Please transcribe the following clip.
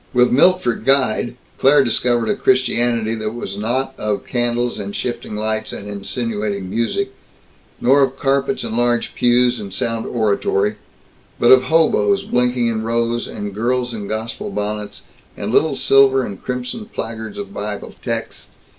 With Milt for guide, Claire discovered a Christianity that was not of candles and shifting lights and insinuating music, nor of carpets and large pews and sound oratory, but of hoboes blinking in rows, and girls in gospel bonnets, and little silver and crimson placards of Bible texts.